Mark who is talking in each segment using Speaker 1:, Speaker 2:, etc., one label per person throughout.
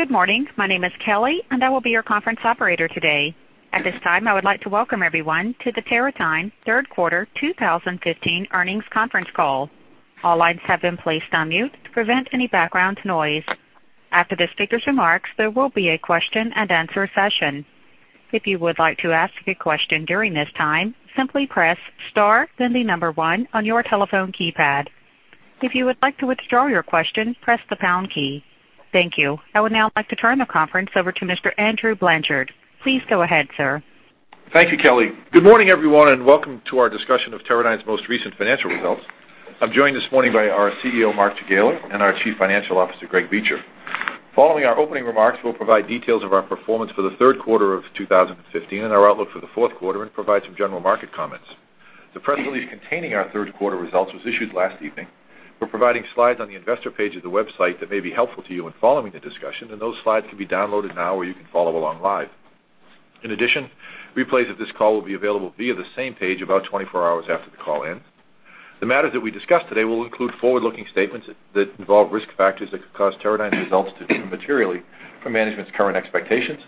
Speaker 1: Good morning. My name is Kelly. I will be your conference operator today. At this time, I would like to welcome everyone to the Teradyne third quarter 2015 earnings conference call. All lines have been placed on mute to prevent any background noise. After the speakers' remarks, there will be a question-and-answer session. If you would like to ask a question during this time, simply press star, then the number 1 on your telephone keypad. If you would like to withdraw your question, press the pound key. Thank you. I would now like to turn the conference over to Mr. Andy Blanchard. Please go ahead, sir.
Speaker 2: Thank you, Kelly. Good morning, everyone. Welcome to our discussion of Teradyne's most recent financial results. I'm joined this morning by our CEO, Mark Jagiela, and our Chief Financial Officer, Greg Beecher. Following our opening remarks, we'll provide details of our performance for the third quarter of 2015 and our outlook for the fourth quarter and provide some general market comments. The press release containing our third-quarter results was issued last evening. We're providing slides on the investor page of the website that may be helpful to you in following the discussion. Those slides can be downloaded now or you can follow along live. In addition, replays of this call will be available via the same page about 24 hours after the call ends. The matters that we discuss today will include forward-looking statements that involve risk factors that could cause Teradyne results to differ materially from management's current expectations.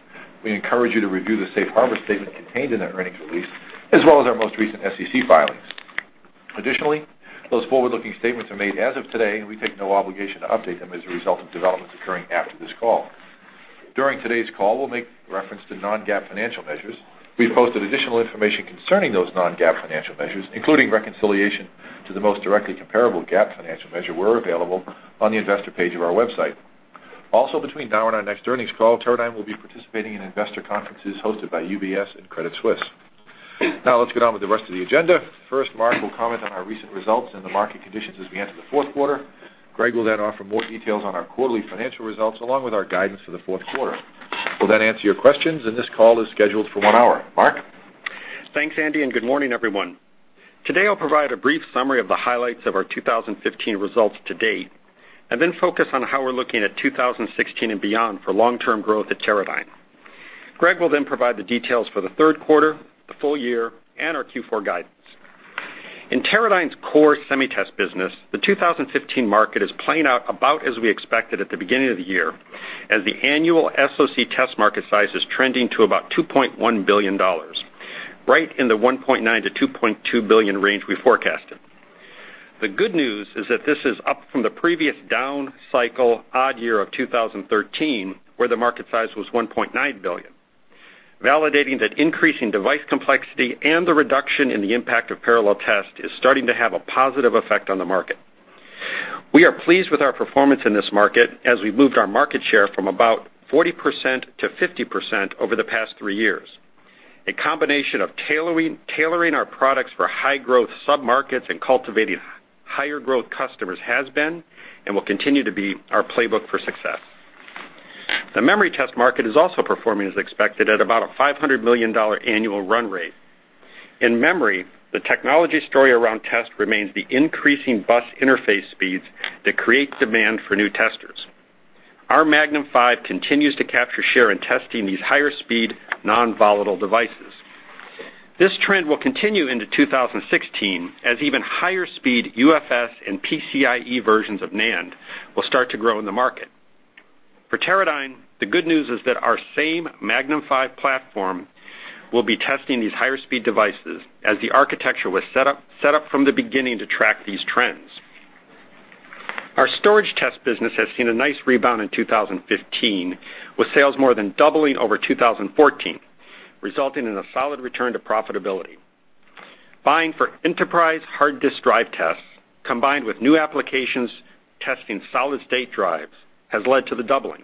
Speaker 2: We encourage you to review the safe harbor statement contained in that earnings release, as well as our most recent SEC filings. Additionally, those forward-looking statements are made as of today. We take no obligation to update them as a result of developments occurring after this call. During today's call, we'll make reference to non-GAAP financial measures. We've posted additional information concerning those non-GAAP financial measures, including reconciliation to the most directly comparable GAAP financial measure where available on the investor page of our website. Also, between now and our next earnings call, Teradyne will be participating in investor conferences hosted by UBS and Credit Suisse. Let's get on with the rest of the agenda. First, Mark will comment on our recent results and the market conditions as we enter the fourth quarter. Greg will offer more details on our quarterly financial results, along with our guidance for the fourth quarter. We'll answer your questions. This call is scheduled for one hour. Mark?
Speaker 3: Thanks, Andy, and good morning, everyone. Today, I'll provide a brief summary of the highlights of our 2015 results to date. Then focus on how we're looking at 2016 and beyond for long-term growth at Teradyne. Greg will provide the details for the third quarter, the full year, and our Q4 guidance. In Teradyne's core semi test business, the 2015 market is playing out about as we expected at the beginning of the year as the annual SoC test market size is trending to about $2.1 billion, right in the $1.9 billion-$2.2 billion range we forecasted. The good news is that this is up from the previous down cycle odd year of 2013, where the market size was $1.9 billion, validating that increasing device complexity and the reduction in the impact of parallel test is starting to have a positive effect on the market. We are pleased with our performance in this market as we've moved our market share from about 40%-50% over the past three years. A combination of tailoring our products for high-growth sub-markets and cultivating higher growth customers has been and will continue to be our playbook for success. The memory test market is also performing as expected at about a $500 million annual run rate. In memory, the technology story around test remains the increasing bus interface speeds that create demand for new testers. Our Magnum V continues to capture share in testing these higher speed, non-volatile devices. This trend will continue into 2016 as even higher speed UFS and PCIE versions of NAND will start to grow in the market. For Teradyne, the good news is that our same Magnum V platform will be testing these higher speed devices as the architecture was set up from the beginning to track these trends. Our storage test business has seen a nice rebound in 2015, with sales more than doubling over 2014, resulting in a solid return to profitability. Buying for enterprise hard disk drive tests combined with new applications testing solid-state drives has led to the doubling.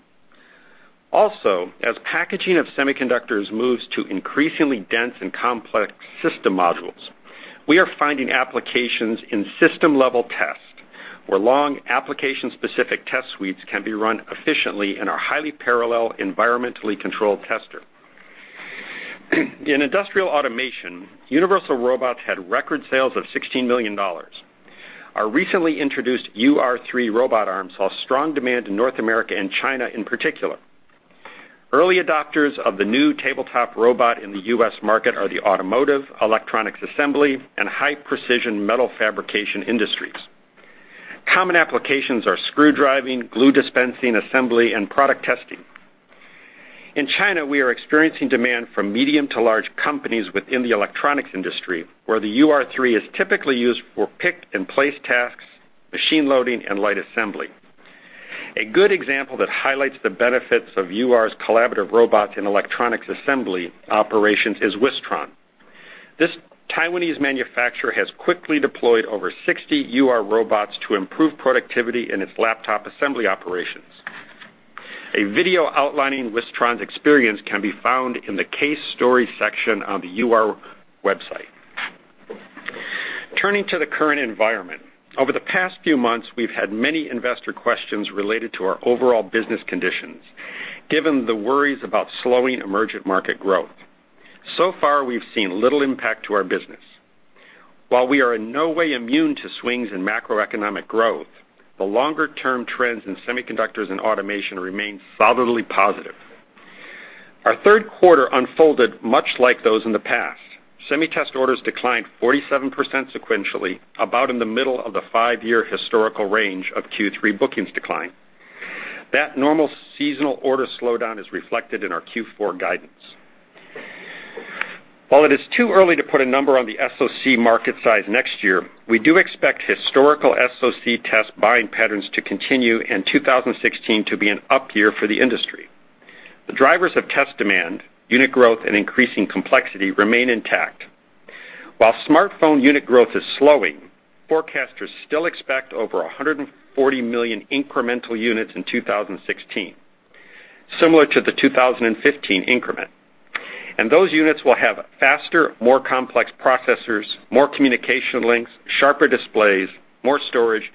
Speaker 3: Also, as packaging of semiconductors moves to increasingly dense and complex system modules, we are finding applications in system-level test where long application-specific test suites can be run efficiently in our highly parallel, environmentally controlled tester. In industrial automation, Universal Robots had record sales of $16 million. Our recently introduced UR3 robot arm saw strong demand in North America and China in particular. Early adopters of the new tabletop robot in the U.S. market are the automotive, electronics assembly, and high-precision metal fabrication industries. Common applications are screw driving, glue dispensing, assembly, and product testing. In China, we are experiencing demand from medium to large companies within the electronics industry, where the UR3 is typically used for pick-and-place tasks, machine loading, and light assembly. A good example that highlights the benefits of UR's collaborative robots in electronics assembly operations is Wistron. This Taiwanese manufacturer has quickly deployed over 60 UR robots to improve productivity in its laptop assembly operations. A video outlining Wistron's experience can be found in the case story section on the ur.com website. Turning to the current environment. Over the past few months, we've had many investor questions related to our overall business conditions, given the worries about slowing emerging market growth. Far, we've seen little impact to our business. While we are in no way immune to swings in macroeconomic growth, the longer-term trends in semiconductors and automation remain solidly positive. Our third quarter unfolded much like those in the past. Semi test orders declined 47% sequentially, about in the middle of the five-year historical range of Q3 bookings decline. That normal seasonal order slowdown is reflected in our Q4 guidance. While it is too early to put a number on the SoC market size next year, we do expect historical SoC test buying patterns to continue and 2016 to be an up year for the industry. The drivers of test demand, unit growth, and increasing complexity remain intact. While smartphone unit growth is slowing, forecasters still expect over 140 million incremental units in 2016, similar to the 2015 increment. Those units will have faster, more complex processors, more communication links, sharper displays, more storage,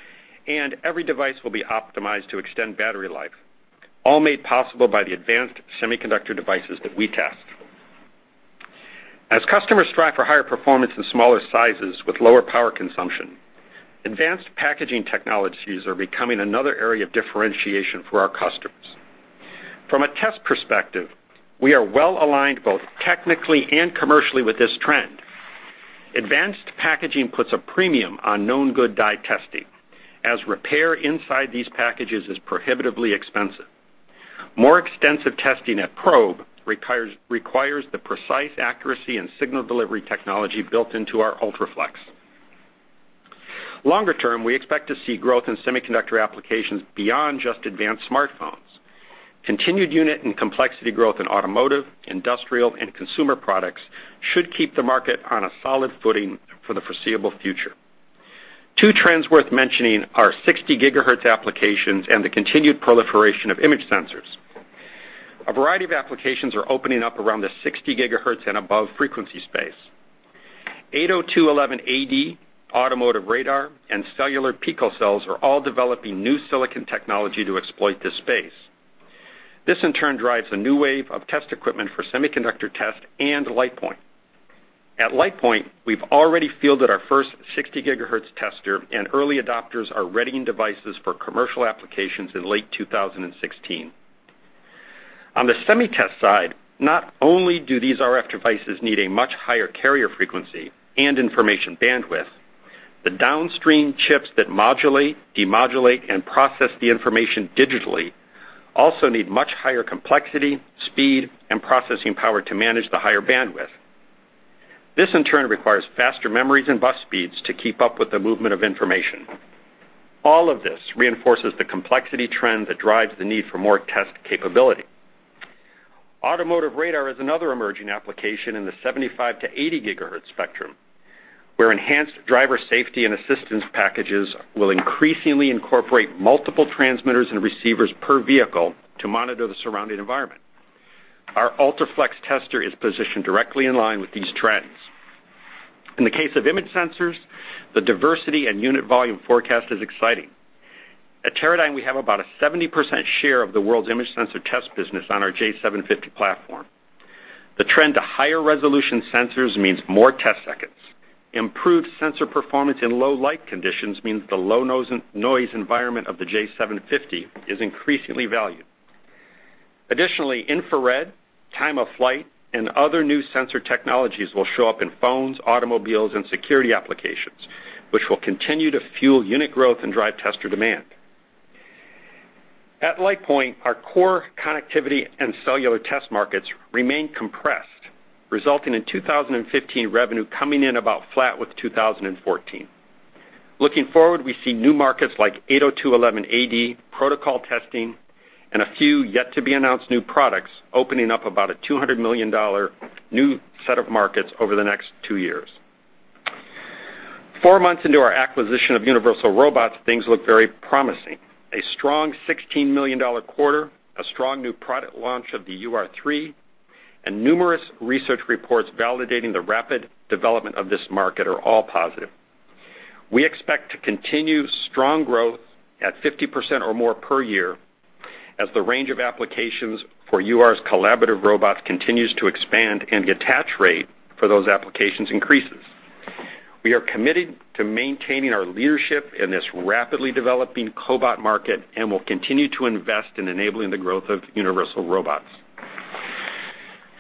Speaker 3: and every device will be optimized to extend battery life, all made possible by the advanced semiconductor devices that we test. As customers strive for higher performance in smaller sizes with lower power consumption, advanced packaging technologies are becoming another area of differentiation for our customers. From a test perspective, we are well-aligned both technically and commercially with this trend. Advanced packaging puts a premium on known good die testing, as repair inside these packages is prohibitively expensive. More extensive testing at probe requires the precise accuracy and signal delivery technology built into our UltraFLEX. Longer term, we expect to see growth in semiconductor applications beyond just advanced smartphones. Continued unit and complexity growth in automotive, industrial, and consumer products should keep the market on a solid footing for the foreseeable future. Two trends worth mentioning are 60 GHz applications and the continued proliferation of image sensors. A variety of applications are opening up around the 60 GHz and above frequency space. 802.11ad, automotive radar, and cellular picocells are all developing new silicon technology to exploit this space. This, in turn, drives a new wave of test equipment for semiconductor test and LitePoint. At LitePoint, we've already fielded our first 60 GHz tester, and early adopters are readying devices for commercial applications in late 2016. On the semi test side, not only do these RF devices need a much higher carrier frequency and information bandwidth, the downstream chips that modulate, demodulate, and process the information digitally also need much higher complexity, speed, and processing power to manage the higher bandwidth. This, in turn, requires faster memories and bus speeds to keep up with the movement of information. All of this reinforces the complexity trend that drives the need for more test capability. Automotive radar is another emerging application in the 75 to 80 GHz spectrum, where enhanced driver safety and assistance packages will increasingly incorporate multiple transmitters and receivers per vehicle to monitor the surrounding environment. Our UltraFLEX tester is positioned directly in line with these trends. In the case of image sensors, the diversity and unit volume forecast is exciting. At Teradyne, we have about a 70% share of the world's image sensor test business on our J750 platform. The trend to higher resolution sensors means more test seconds. Improved sensor performance in low light conditions means the low-noise environment of the J750 is increasingly valued. Additionally, infrared, time of flight, and other new sensor technologies will show up in phones, automobiles, and security applications, which will continue to fuel unit growth and drive tester demand. At LitePoint, our core connectivity and cellular test markets remain compressed, resulting in 2015 revenue coming in about flat with 2014. Looking forward, we see new markets like 802.11ad, protocol testing, and a few yet-to-be-announced new products opening up about a $200 million new set of markets over the next two years. Four months into our acquisition of Universal Robots, things look very promising. A strong $16 million quarter, a strong new product launch of the UR3, and numerous research reports validating the rapid development of this market are all positive. We expect to continue strong growth at 50% or more per year as the range of applications for UR's collaborative robots continues to expand and the attach rate for those applications increases. We are committed to maintaining our leadership in this rapidly developing cobot market and will continue to invest in enabling the growth of Universal Robots.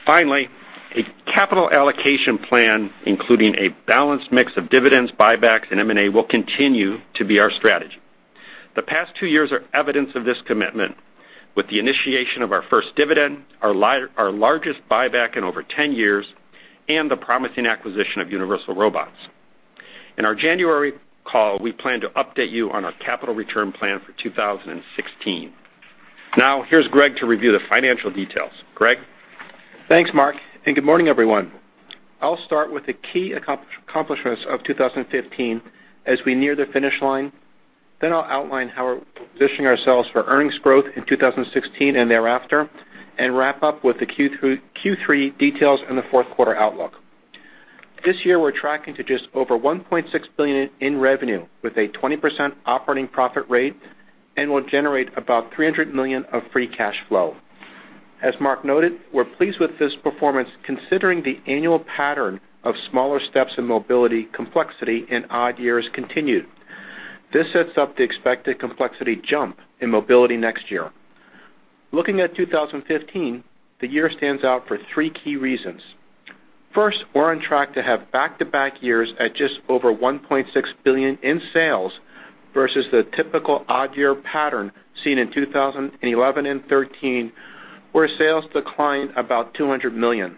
Speaker 3: A capital allocation plan, including a balanced mix of dividends, buybacks, and M&A, will continue to be our strategy. The past two years are evidence of this commitment with the initiation of our first dividend, our largest buyback in over 10 years, and the promising acquisition of Universal Robots. In our January call, we plan to update you on our capital return plan for 2016. Here's Greg to review the financial details. Greg?
Speaker 4: Thanks, Mark, and good morning, everyone. I'll start with the key accomplishments of 2015 as we near the finish line. I'll outline how we're positioning ourselves for earnings growth in 2016 and thereafter and wrap up with the Q3 details and the fourth quarter outlook. This year, we're tracking to just over $1.6 billion in revenue with a 20% operating profit rate and will generate about $300 million of free cash flow. As Mark noted, we're pleased with this performance considering the annual pattern of smaller steps in mobility complexity in odd years continued. This sets up the expected complexity jump in mobility next year. Looking at 2015, the year stands out for three key reasons. First, we're on track to have back-to-back years at just over $1.6 billion in sales, versus the typical odd year pattern seen in 2011 and 2013, where sales declined about $200 million.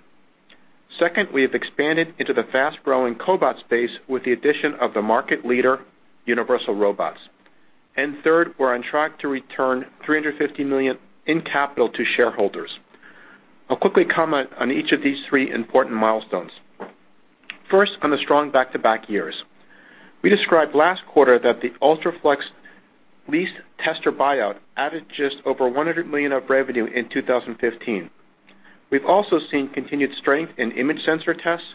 Speaker 4: Second, we have expanded into the fast-growing cobot space with the addition of the market leader, Universal Robots. Third, we're on track to return $350 million in capital to shareholders. I'll quickly comment on each of these three important milestones. First, on the strong back-to-back years. We described last quarter that the UltraFLEX leased tester buyout added just over $100 million of revenue in 2015. We've also seen continued strength in image sensor tests,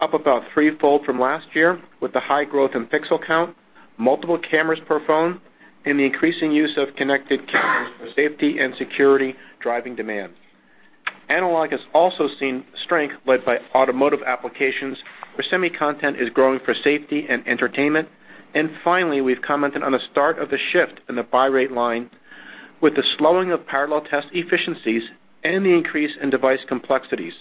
Speaker 4: up about threefold from last year, with the high growth in pixel count, multiple cameras per phone, and the increasing use of connected cameras for safety and security driving demand. Analog has also seen strength led by automotive applications, where semi content is growing for safety and entertainment. Finally, we've commented on the start of the shift in the buy rate line with the slowing of parallel test efficiencies and the increase in device complexities.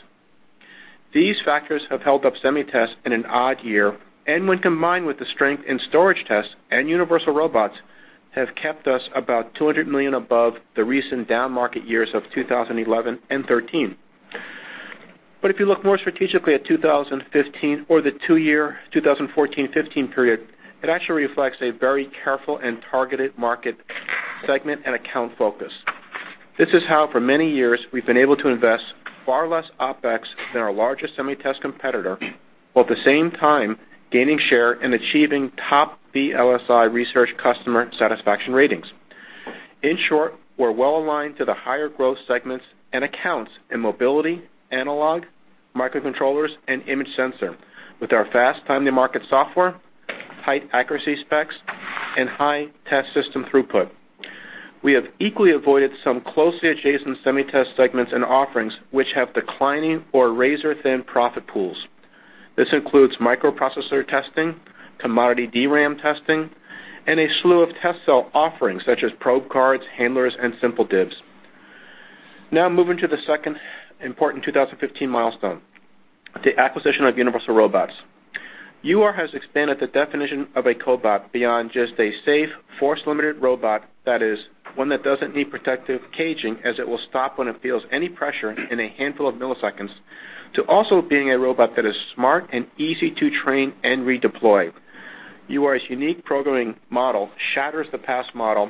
Speaker 4: These factors have held up SemiTest in an odd year, and when combined with the strength in storage tests and Universal Robots, have kept us about $200 million above the recent downmarket years of 2011 and 2013. If you look more strategically at 2015 or the two-year 2014-2015 period, it actually reflects a very careful and targeted market segment and account focus. This is how, for many years, we've been able to invest far less OpEx than our largest SemiTest competitor, while at the same time gaining share and achieving top VLSIresearch customer satisfaction ratings. In short, we're well-aligned to the higher growth segments and accounts in mobility, analog, microcontrollers, and image sensor with our fast time to market software, high accuracy specs, and high test system throughput. We have equally avoided some closely adjacent SemiTest segments and offerings which have declining or razor-thin profit pools. This includes microprocessor testing, commodity DRAM testing, and a slew of test cell offerings such as probe cards, handlers, and simple DIBs. Moving to the second important 2015 milestone, the acquisition of Universal Robots. UR has expanded the definition of a cobot beyond just a safe, force-limited robot, that is, one that doesn't need protective caging as it will stop when it feels any pressure in a handful of milliseconds, to also being a robot that is smart and easy to train and redeploy. UR's unique programming model shatters the past model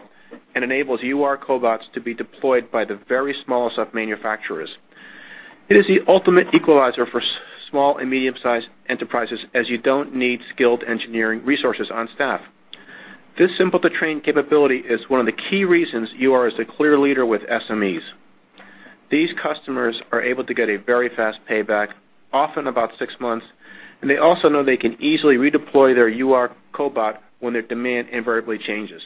Speaker 4: and enables UR cobots to be deployed by the very smallest of manufacturers. It is the ultimate equalizer for small and medium-sized enterprises, as you don't need skilled engineering resources on staff. This simple-to-train capability is one of the key reasons UR is the clear leader with SMEs. These customers are able to get a very fast payback, often about six months, and they also know they can easily redeploy their UR cobot when their demand invariably changes.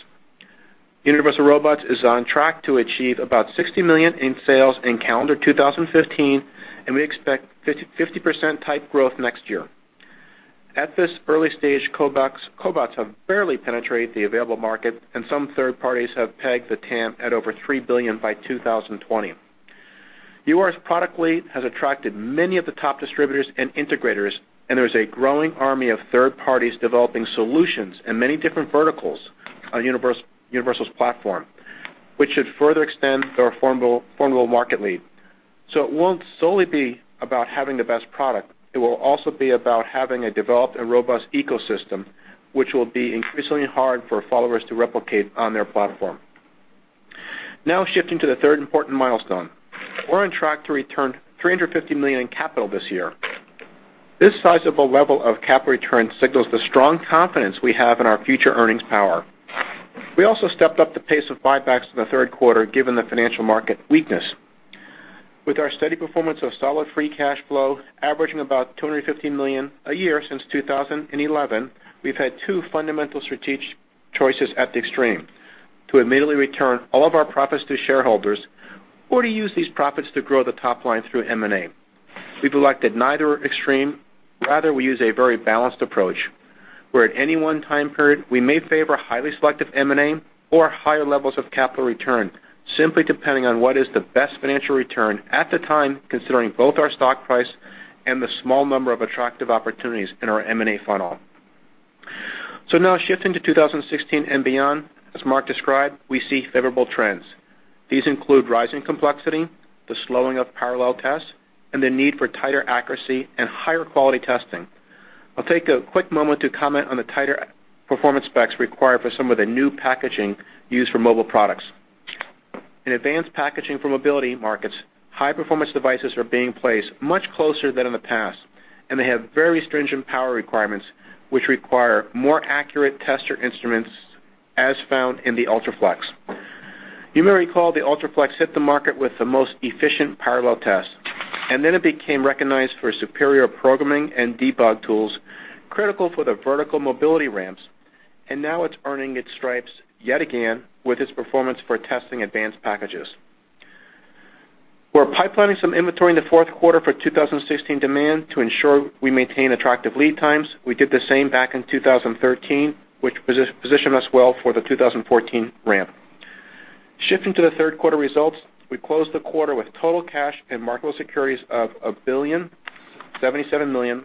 Speaker 4: Universal Robots is on track to achieve about $60 million in sales in calendar 2015, and we expect 50%-type growth next year. At this early stage, cobots have barely penetrated the available market, and some third parties have pegged the TAM at over $3 billion by 2020. UR's product lead has attracted many of the top distributors and integrators, there's a growing army of third parties developing solutions in many different verticals on Universal's platform, which should further extend their formidable market lead. It won't solely be about having the best product. It will also be about having a developed and robust ecosystem, which will be increasingly hard for followers to replicate on their platform. Shifting to the third important milestone. We're on track to return $350 million in capital this year. This sizable level of capital return signals the strong confidence we have in our future earnings power. We also stepped up the pace of buybacks in the third quarter given the financial market weakness. With our steady performance of solid free cash flow averaging about $250 million a year since 2011, we've had two fundamental strategic choices at the extreme, to immediately return all of our profits to shareholders or to use these profits to grow the top line through M&A. We've elected neither extreme. Rather, we use a very balanced approach, where at any one time period, we may favor highly selective M&A or higher levels of capital return, simply depending on what is the best financial return at the time, considering both our stock price and the small number of attractive opportunities in our M&A funnel. Now shifting to 2016 and beyond, as Mark described, we see favorable trends. These include rising complexity, the slowing of parallel tests, and the need for tighter accuracy and higher quality testing. I'll take a quick moment to comment on the tighter performance specs required for some of the new packaging used for mobile products. In advanced packaging for mobility markets, high-performance devices are being placed much closer than in the past, and they have very stringent power requirements, which require more accurate tester instruments, as found in the UltraFLEX. You may recall the UltraFLEX hit the market with the most efficient parallel test, and then it became recognized for superior programming and debug tools critical for the vertical mobility ramps, and now it's earning its stripes yet again with its performance for testing advanced packages. We're pipe planning some inventory in the fourth quarter for 2016 demand to ensure we maintain attractive lead times. We did the same back in 2013, which positioned us well for the 2014 ramp. Shifting to the third quarter results, we closed the quarter with total cash and marketable securities of $1.077 billion,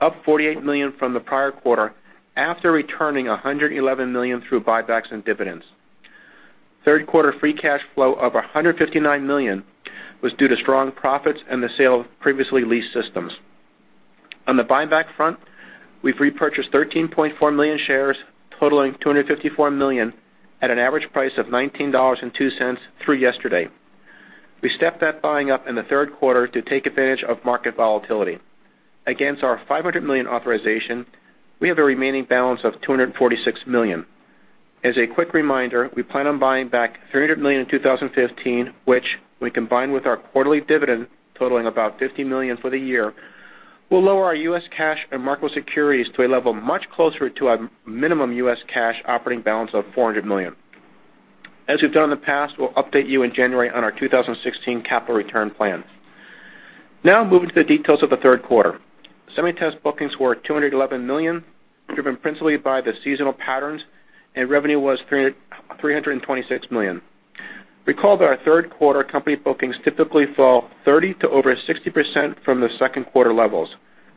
Speaker 4: up $48 million from the prior quarter after returning $111 million through buybacks and dividends. Third quarter free cash flow of $159 million was due to strong profits and the sale of previously leased systems. On the buyback front, we've repurchased 13.4 million shares totaling $254 million at an average price of $19.02 through yesterday. We stepped that buying up in the third quarter to take advantage of market volatility. Against our $500 million authorization, we have a remaining balance of $246 million. As a quick reminder, we plan on buying back $300 million in 2015, which when combined with our quarterly dividend totaling about $50 million for the year, will lower our U.S. cash and marketable securities to a level much closer to a minimum U.S. cash operating balance of $400 million. As we've done in the past, we'll update you in January on our 2016 capital return plan. Moving to the details of the third quarter. Semi test bookings were $211 million, driven principally by the seasonal patterns, and revenue was $326 million. Recall that our third quarter company bookings typically fall 30% to over 60% from the second quarter levels.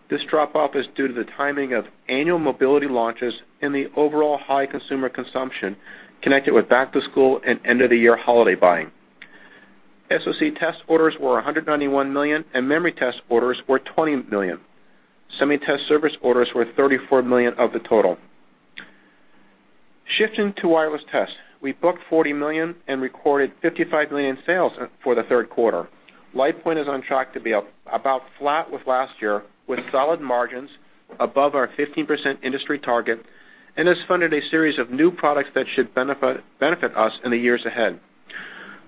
Speaker 4: This drop off is due to the timing of annual mobility launches and the overall high consumer consumption connected with back to school and end of the year holiday buying. SoC test orders were $191 million, memory test orders were $20 million. Semi test service orders were $34 million of the total. Shifting to wireless tests, we booked $40 million and recorded $55 million sales for the third quarter. LitePoint is on track to be about flat with last year, with solid margins above our 15% industry target, and has funded a series of new products that should benefit us in the years ahead.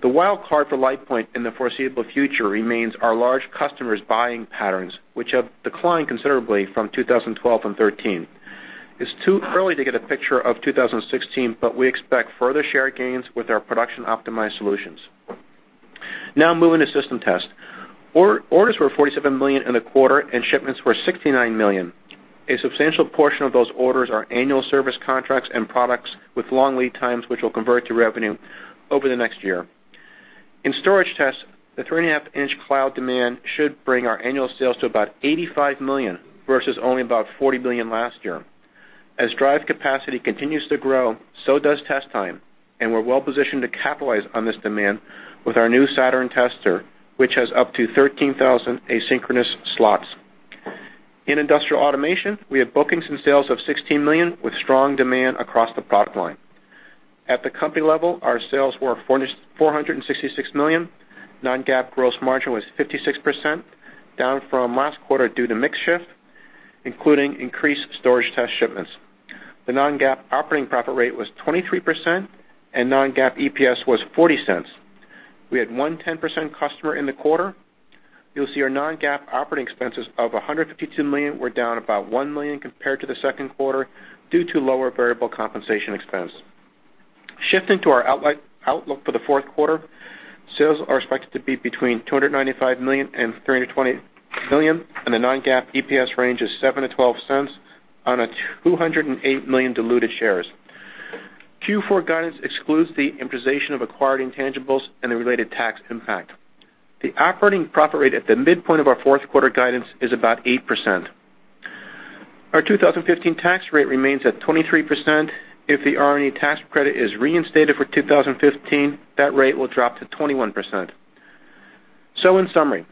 Speaker 4: The wild card for LitePoint in the foreseeable future remains our large customers' buying patterns, which have declined considerably from 2012 and 2013. It's too early to get a picture of 2016, but we expect further share gains with our production-optimized solutions. Moving to system test. Orders were $47 million in the quarter, and shipments were $69 million. A substantial portion of those orders are annual service contracts and products with long lead times, which will convert to revenue over the next year. In storage test, the three-and-a-half-inch cloud demand should bring our annual sales to about $85 million, versus only about $40 million last year. As drive capacity continues to grow, so does test time, we're well-positioned to capitalize on this demand with our new Saturn tester, which has up to 13,000 asynchronous slots. In industrial automation, we have bookings and sales of $16 million with strong demand across the product line. At the company level, our sales were $466 million. Non-GAAP gross margin was 56%, down from last quarter due to mix shift, including increased storage test shipments. The non-GAAP operating profit rate was 23%, and non-GAAP EPS was $0.40. We had one 10% customer in the quarter. You'll see our non-GAAP operating expenses of $152 million were down about $1 million compared to the second quarter due to lower variable compensation expense. Shifting to our outlook for the fourth quarter, sales are expected to be between $295 million and $320 million, the non-GAAP EPS range is $0.07-$0.12 on a 208 million diluted shares. Q4 guidance excludes the amortization of acquired intangibles and the related tax impact. The operating profit rate at the midpoint of our fourth quarter guidance is about 8%. Our 2015 tax rate remains at 23%. If the R&D tax credit is reinstated for 2015, that rate will drop to 21%. In summary,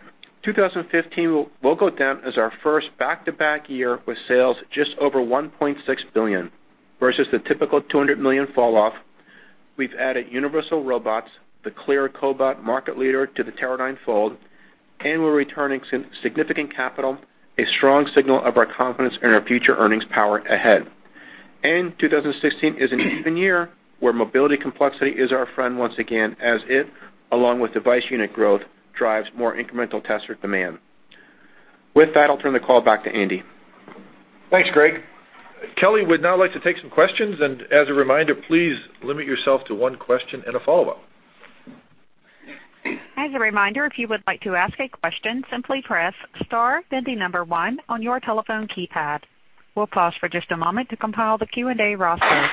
Speaker 4: 2015 will go down as our first back-to-back year with sales just over $1.6 billion versus the typical $200 million fall off. We've added Universal Robots, the clear cobot market leader, to the Teradyne fold, we're returning significant capital, a strong signal of our confidence in our future earnings power ahead. 2016 is an even year where mobility complexity is our friend once again as it, along with device unit growth, drives more incremental tester demand. With that, I'll turn the call back to Andy.
Speaker 2: Thanks, Greg. Kelly would now like to take some questions. As a reminder, please limit yourself to one question and a follow-up.
Speaker 1: As a reminder, if you would like to ask a question, simply press star, then the number one on your telephone keypad. We'll pause for just a moment to compile the Q&A roster.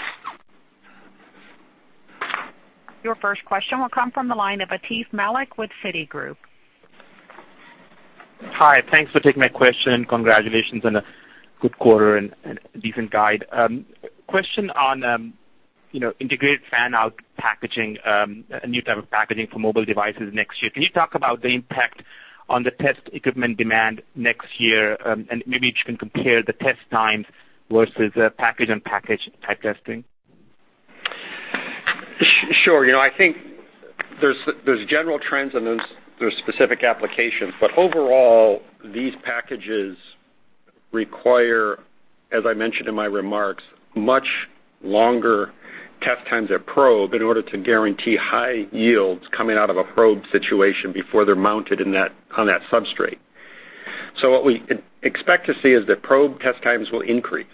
Speaker 1: Your first question will come from the line of Atif Malik with Citigroup.
Speaker 5: Hi. Thanks for taking my question. Congratulations on a good quarter and decent guide. Question on integrated fan-out packaging, a new type of packaging for mobile devices next year. Can you talk about the impact on the test equipment demand next year? Maybe you can compare the test times versus package-on-package type testing.
Speaker 3: Sure. I think there's general trends and there's specific applications. Overall, these packages require, as I mentioned in my remarks, much longer test times at probe in order to guarantee high yields coming out of a probe situation before they're mounted on that substrate. What we expect to see is that probe test times will increase.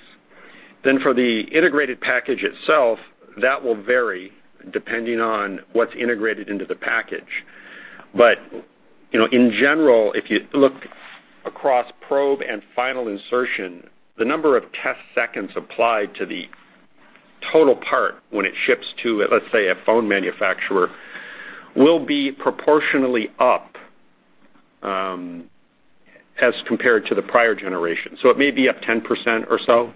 Speaker 3: For the integrated package itself, that will vary depending on what's integrated into the package. In general, if you look across probe and final insertion, the number of test seconds applied to the total part when it ships to, let's say, a phone manufacturer, will be proportionally up as compared to the prior generation. It may be up 10% or so.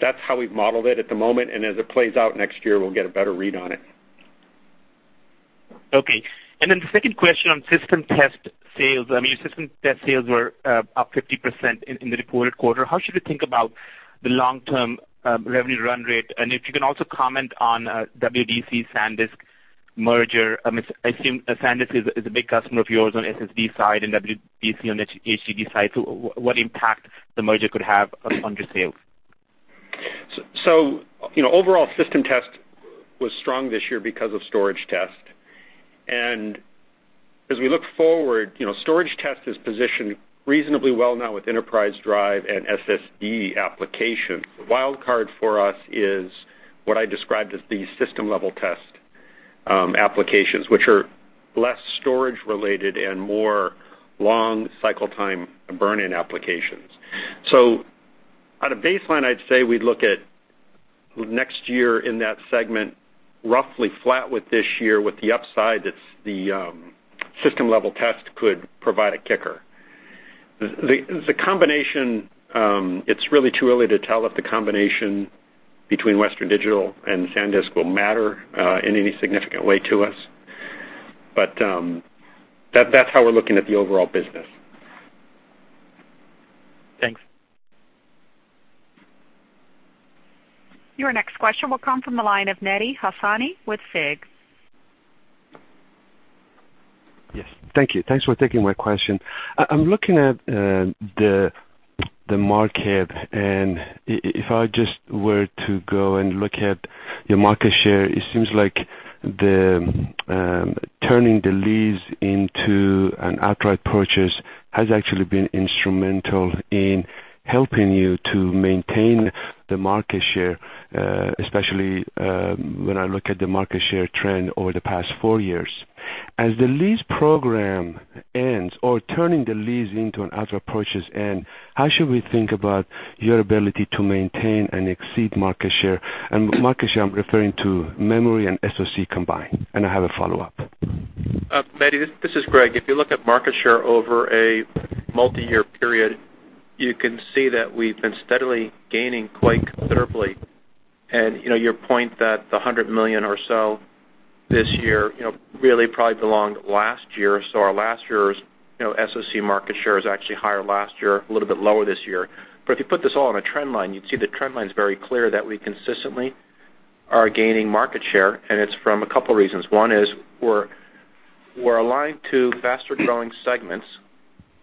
Speaker 3: That's how we've modeled it at the moment. As it plays out next year, we'll get a better read on it.
Speaker 5: Okay. The second question on system test sales. I mean, system test sales were up 50% in the reported quarter. How should we think about the long-term revenue run rate? If you can also comment on Western Digital SanDisk merger. I assume SanDisk is a big customer of yours on SSD side and Western Digital on the HDD side. What impact the merger could have on your sales?
Speaker 3: Overall system test was strong this year because of storage test. As we look forward, storage test is positioned reasonably well now with enterprise drive and SSD application. The wild card for us is what I described as the system-level test applications, which are less storage-related and more long cycle time burn-in applications. On a baseline, I'd say we'd look at next year in that segment, roughly flat with this year, with the upside, it's the system-level test could provide a kicker. It's really too early to tell if the combination between Western Digital and SanDisk will matter in any significant way to us. That's how we're looking at the overall business.
Speaker 5: Thanks.
Speaker 1: Your next question will come from the line of Mehdi Hosseini with Susquehanna Financial Group.
Speaker 6: Yes. Thank you. Thanks for taking my question. I'm looking at the market, if I just were to go and look at your market share, it seems like turning the lease into an outright purchase has actually been instrumental in helping you to maintain the market share, especially, when I look at the market share trend over the past four years. As the lease program ends or turning the lease into an outright purchase end, how should we think about your ability to maintain and exceed market share? Market share, I'm referring to memory and SoC combined. I have a follow-up.
Speaker 4: Mehdi, this is Greg. If you look at market share over a multi-year period, you can see that we've been steadily gaining quite considerably. Your point that the $100 million or so this year, really probably belonged last year. Our last year's SoC market share is actually higher last year, a little bit lower this year. If you put this all on a trend line, you'd see the trend line's very clear that we consistently are gaining market share, and it's from a couple of reasons. One is we're aligned to faster-growing segments,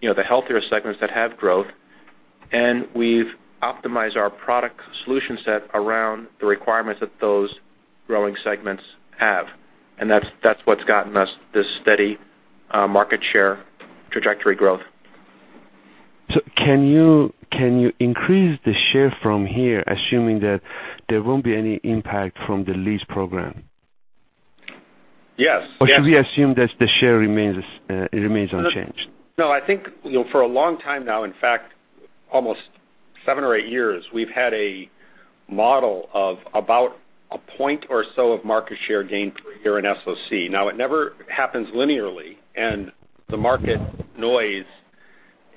Speaker 4: the healthier segments that have growth. We've optimized our product solution set around the requirements that those growing segments have. That's what's gotten us this steady market share trajectory growth.
Speaker 6: Can you increase the share from here, assuming that there won't be any impact from the lease program?
Speaker 4: Yes.
Speaker 6: Should we assume that the share remains unchanged?
Speaker 3: No, I think for a long time now, in fact, almost seven or eight years, we've had a model of about a point or so of market share gain per year in SoC. It never happens linearly, and the market noise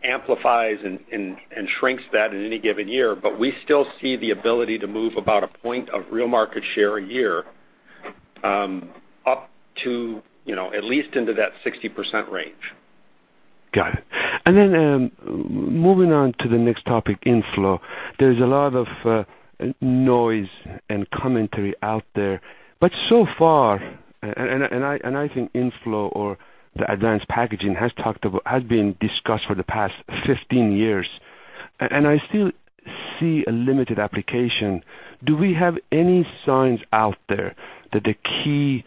Speaker 3: amplifies and shrinks that in any given year. We still see the ability to move about a point of real market share a year, up to at least into that 60% range.
Speaker 6: Got it. Moving on to the next topic, InFO. There's a lot of noise and commentary out there. So far, and I think InFO or the advanced packaging has been discussed for the past 15 years, and I still see a limited application. Do we have any signs out there that the key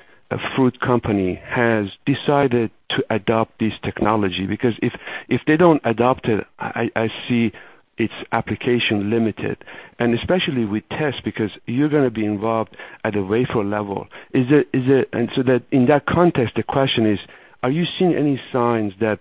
Speaker 6: fruit company has decided to adopt this technology? Because if they don't adopt it, I see its application limited, and especially with tests, because you're going to be involved at a wafer level. In that context, the question is, are you seeing any signs that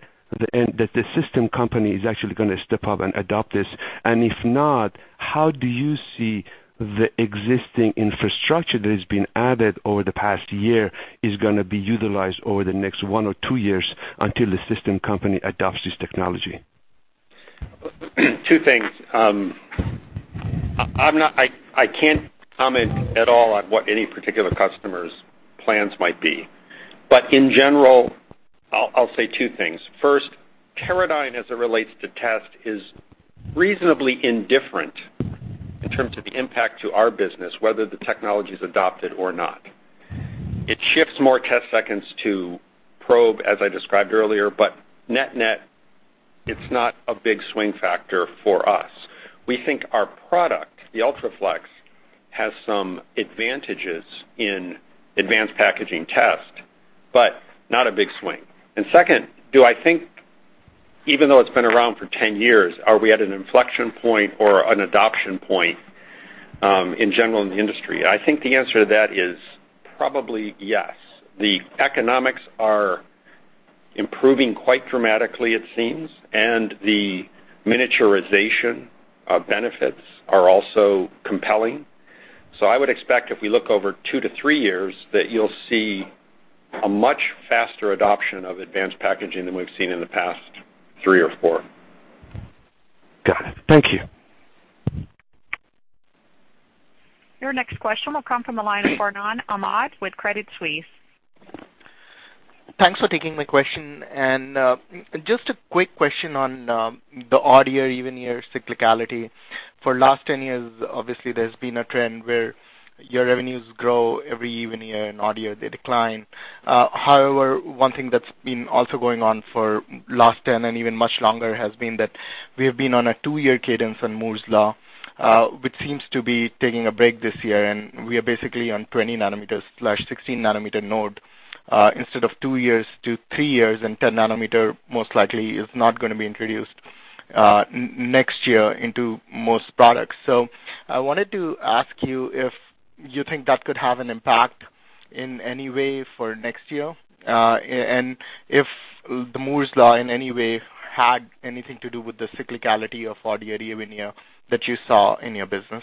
Speaker 6: the system company is actually going to step up and adopt this? If not, how do you see the existing infrastructure that has been added over the past year is going to be utilized over the next one or two years until the system company adopts this technology?
Speaker 3: Two things. I can't comment at all on what any particular customer's plans might be. In general, I'll say two things. First, Teradyne, as it relates to test, is reasonably indifferent in terms of the impact to our business, whether the technology's adopted or not. It shifts more test seconds to probe, as I described earlier, but net-net, it's not a big swing factor for us. We think our product, the UltraFLEX. Has some advantages in advanced packaging test, but not a big swing. Second, do I think even though it's been around for 10 years, are we at an inflection point or an adoption point, in general in the industry? I think the answer to that is probably yes. The economics are improving quite dramatically, it seems, and the miniaturization of benefits are also compelling. I would expect if we look over two to three years, that you'll see a much faster adoption of advanced packaging than we've seen in the past three or four.
Speaker 6: Got it. Thank you.
Speaker 1: Your next question will come from the line of Farhan Ahmad with Credit Suisse.
Speaker 7: Thanks for taking my question. Just a quick question on the odd year, even year cyclicality. For last 10 years, obviously, there's been a trend where your revenues grow every even year and odd year they decline. However, one thing that's been also going on for last 10 and even much longer has been that we have been on a two-year cadence on Moore's Law, which seems to be taking a break this year, and we are basically on 20 nanometers/16 nanometer node, instead of two years to three years, and 10 nanometer most likely is not going to be introduced next year into most products. I wanted to ask you if you think that could have an impact in any way for next year, and if the Moore's Law, in any way, had anything to do with the cyclicality of odd year, even year that you saw in your business.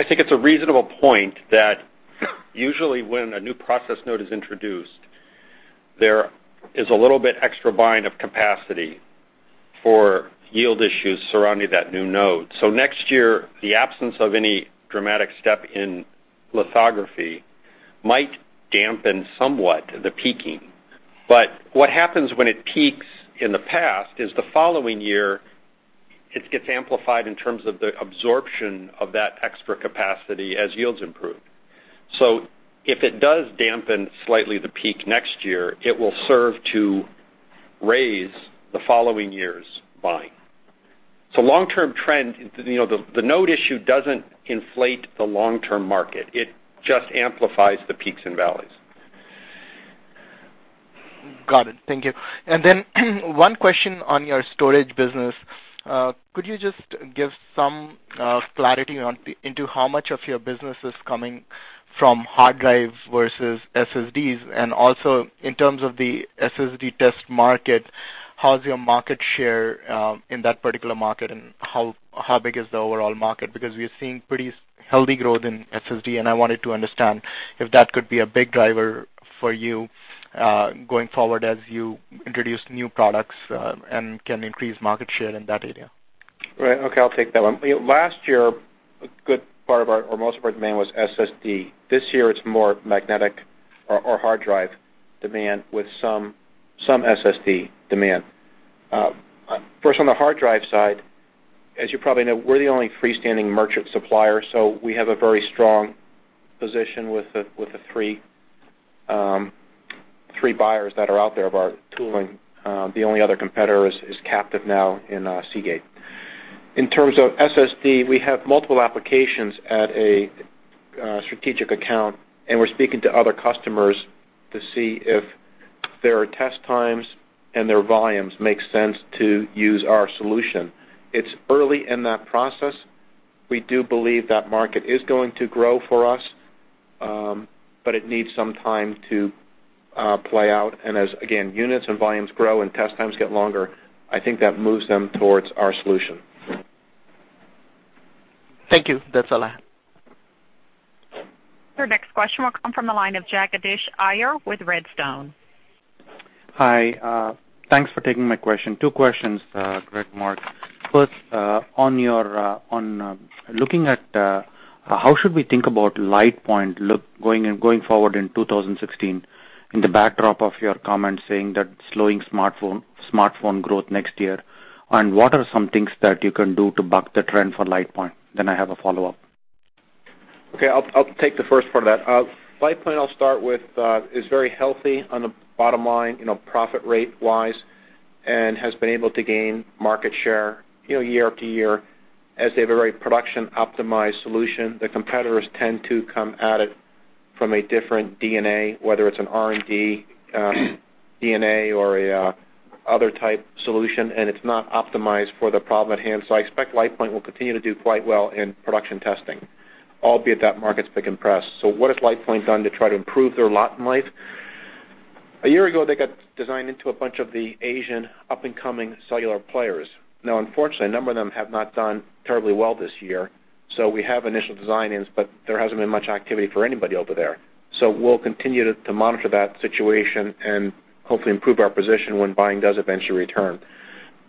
Speaker 4: I think it's a reasonable point that usually when a new process node is introduced, there is a little bit extra buying of capacity for yield issues surrounding that new node. Next year, the absence of any dramatic step in lithography might dampen somewhat the peaking. What happens when it peaks in the past is the following year, it gets amplified in terms of the absorption of that extra capacity as yields improve. If it does dampen slightly the peak next year, it will serve to raise the following year's buying. Long-term trend, the node issue doesn't inflate the long-term market. It just amplifies the peaks and valleys.
Speaker 7: Got it. Thank you. One question on your storage business. Could you just give some clarity into how much of your business is coming from hard drives versus SSDs? Also, in terms of the SSD test market, how's your market share in that particular market, and how big is the overall market? We are seeing pretty healthy growth in SSD, and I wanted to understand if that could be a big driver for you, going forward as you introduce new products, and can increase market share in that area.
Speaker 4: Right. Okay, I'll take that one. Last year, a good part of our or most of our demand was SSD. This year, it's more magnetic or hard drive demand with some SSD demand. First, on the hard drive side, as you probably know, we're the only freestanding merchant supplier, we have a very strong position with the three buyers that are out there of our tooling. The only other competitor is captive now in Seagate. In terms of SSD, we have multiple applications at a strategic account, and we're speaking to other customers to see if their test times and their volumes make sense to use our solution. It's early in that process. We do believe that market is going to grow for us, it needs some time to play out, as, again, units and volumes grow and test times get longer, I think that moves them towards our solution.
Speaker 7: Thank you. That's all I have.
Speaker 1: Your next question will come from the line of Jagadish Iyer with Redstone.
Speaker 8: Hi. Thanks for taking my question. Two questions, Greg, Mark. First, how should we think about LitePoint going forward in 2016 in the backdrop of your comments saying that slowing smartphone growth next year? What are some things that you can do to buck the trend for LitePoint? I have a follow-up.
Speaker 4: Okay. I'll take the first part of that. LitePoint, I'll start with, is very healthy on the bottom line, profit rate-wise, and has been able to gain market share year after year as they have a very production-optimized solution. The competitors tend to come at it from a different DNA, whether it's an R&D DNA or other type solution, and it's not optimized for the problem at hand. I expect LitePoint will continue to do quite well in production testing, albeit that market's been compressed. What has LitePoint done to try to improve their lot in life? A year ago, they got designed into a bunch of the Asian up-and-coming cellular players. Now, unfortunately, a number of them have not done terribly well this year, so we have initial design-ins, but there hasn't been much activity for anybody over there. We'll continue to monitor that situation and hopefully improve our position when buying does eventually return.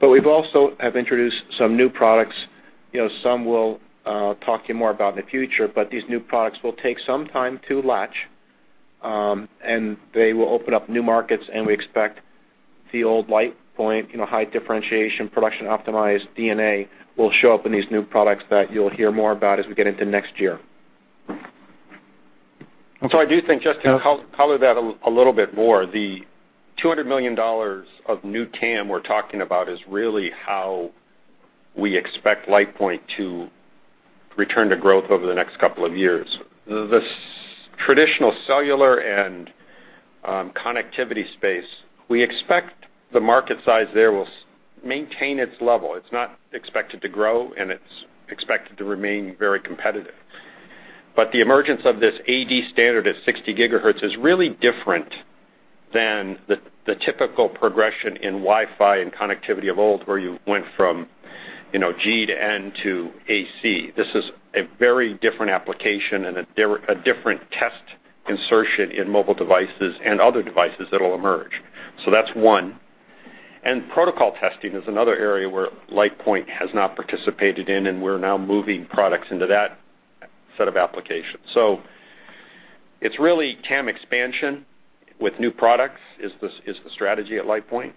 Speaker 4: We've also have introduced some new products, some we'll talk to you more about in the future, but these new products will take some time to latch. They will open up new markets, and we expect the old LitePoint high differentiation, production-optimized DNA will show up in these new products that you'll hear more about as we get into next year. I do think just to color that a little bit more, the $200 million of new TAM we're talking about is really how we expect LitePoint to return to growth over the next couple of years. The traditional cellular and connectivity space, we expect the market size there will maintain its level. It's not expected to grow, and it's expected to remain very competitive. The emergence of this AD standard at 60 gigahertz is really different than the typical progression in Wi-Fi and connectivity of old, where you went from G to N to AC. This is a very different application and a different test insertion in mobile devices and other devices that'll emerge. That's one. Protocol testing is another area where LitePoint has not participated in, and we're now moving products into that set of applications. It's really TAM expansion with new products is the strategy at LitePoint.